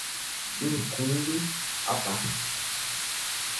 incumbe à parte